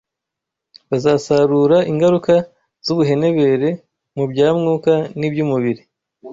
bazasarura ingaruka z’ubuhenebere mu bya Mwuka n’iby’umubiri